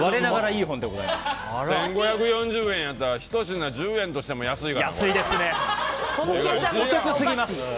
１５４０円だったら１品１０円としても安いがな！